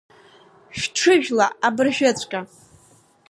Шәҽыжәла абыржәыҵәҟьа!